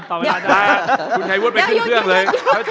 คุณชายวุฒิไปขึ้นเครื่องเลย